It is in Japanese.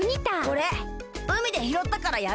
これうみでひろったからやるよ。